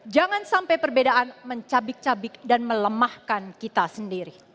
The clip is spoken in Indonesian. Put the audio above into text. jangan sampai perbedaan mencabik cabik dan melemahkan kita sendiri